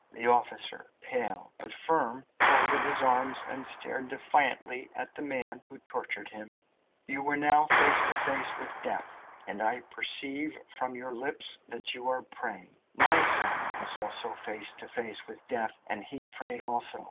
The officer, pale, but firm, folded his arms and stared defiantly at the man who tortured him. "You are now face to face with death, and I perceive from your lips that you are praying. My son was also face to face with death, and he prayed, also.